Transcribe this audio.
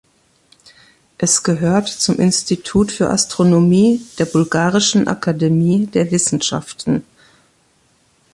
Es gehört zum Institut für Astronomie der Bulgarischen Akademie der Wissenschaften.